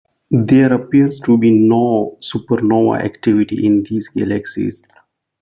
There appears to be no supernova activity in these galaxies.